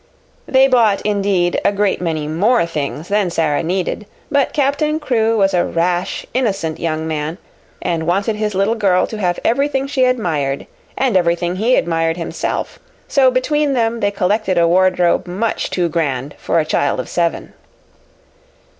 They bought, indeed, a great many more things than Sara needed; but Captain Crewe was a rash, innocent young man and wanted his little girl to have everything she admired and everything he admired himself, so between them they collected a wardrobe much too grand for a child of seven.